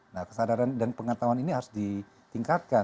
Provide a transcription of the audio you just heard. nah kesadaran dan pengetahuan ini harus ditingkatkan